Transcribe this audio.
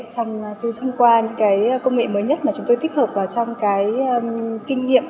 trong ví thông qua những cái công nghệ mới nhất mà chúng tôi tích hợp vào trong cái kinh nghiệm